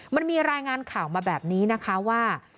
มันมีรายงานข่าวมาแบบนี้นะคะว่า